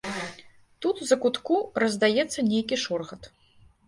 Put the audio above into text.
Тут у закутку раздаецца нейкі шоргат.